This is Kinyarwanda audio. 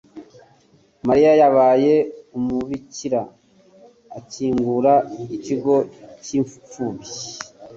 Mariya yabaye umubikira akingura ikigo cyimfubyi.